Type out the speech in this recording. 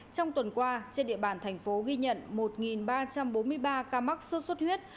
trong tuần qua trên địa bàn thành phố ghi nhận một ba trăm bốn mươi ba ca mắc sốt xuất huyết